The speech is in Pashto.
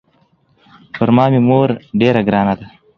پر ما مې مور ډېره ګرانه ده.